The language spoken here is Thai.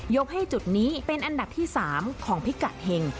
ให้จุดนี้เป็นอันดับที่๓ของพิกัดเห็ง